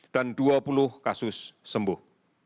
dan dua puluh kasus sembuh